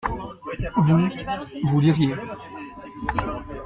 Vous, vous liriez.